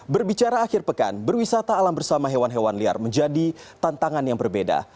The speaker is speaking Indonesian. berbicara akhir pekan berwisata alam bersama hewan hewan liar menjadi tantangan yang berbeda